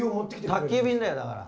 宅急便だよだから。